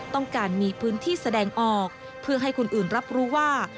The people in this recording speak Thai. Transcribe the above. ต้องการมีพื้นที่แสดงออกเพื่อให้คนอื่นรับรู้ว่า